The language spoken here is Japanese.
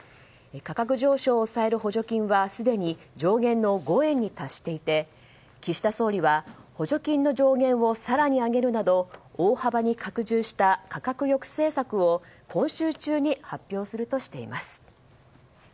価格上昇を抑える補助金はすでに上限の５円に達していて岸田総理は補助金の上限を更に上げるなど大幅に拡充した価格抑制策を今週中に発表するとしています。